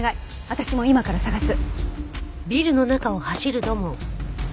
私も今から捜す。